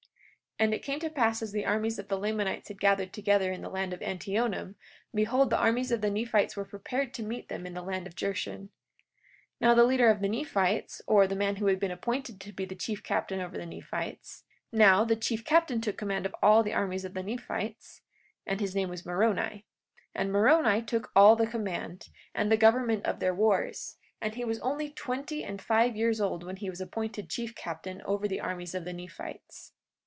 43:15 And it came to pass as the armies of the Lamanites had gathered together in the land of Antionum, behold, the armies of the Nephites were prepared to meet them in the land of Jershon. 43:16 Now, the leader of the Nephites, or the man who had been appointed to be the chief captain over the Nephites—now the chief captain took the command of all the armies of the Nephites—and his name was Moroni; 43:17 And Moroni took all the command, and the government of their wars. And he was only twenty and five years old when he was appointed chief captain over the armies of the Nephites.